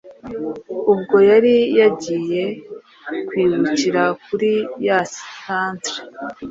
ubwo yari yagiye kwibukira kuri ya "centre"